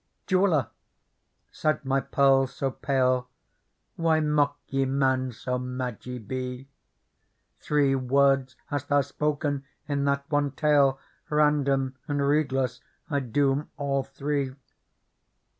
" Jeweller !" said ray Pearl so pale, " Why mock ye men, so mad ye be ? Three words hast thou spoken in that one tale,^ Random and redeless I doom all three.